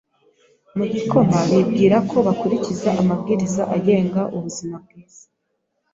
mu gikoma bibwira ko bakurikiza amabwiriza agenga ubuzima bwiza.